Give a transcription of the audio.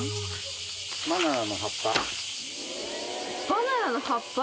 バナナの葉っぱ？